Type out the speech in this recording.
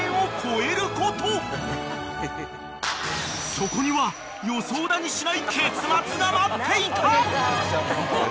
［そこには予想だにしない結末が待っていた］